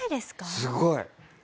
すごい！